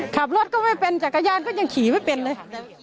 ขับรถก็ไม่เป็นจักรยานก็ยังขี่ไม่เป็นเลย